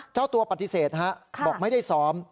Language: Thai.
เจ้าตัวปฏิเสธบอกไม่ได้ซ้อม